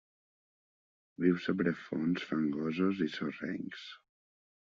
Viu sobre fons fangosos i sorrencs.